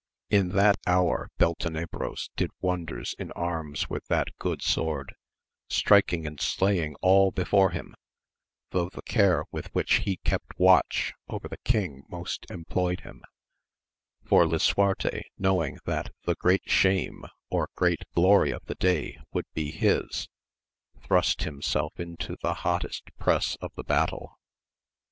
In that hour Beltenebros did wonders in arms with that good sword, striking and slaying all before him, though the care with which he kept watch over the king most employed him ; for Lisuarte knowing that the great shame, or great glory of the day would be his^ thrust himself into the hottest press of the battle.